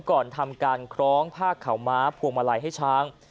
ก่อนทำการคล้องผ้าขาวม้าพวงมาลัยให้ช้าง